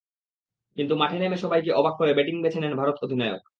কিন্তু মাঠে নেমে সবাইকে অবাক করে ব্যাটিং বেছে নেন ভারত অধিনায়ক।